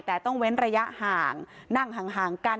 แต่ต้องเว้นระยะห่างนั่งห่างกัน